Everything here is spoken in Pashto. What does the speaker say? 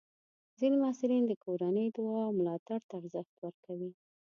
ځینې محصلین د کورنۍ دعا او ملاتړ ته ارزښت ورکوي.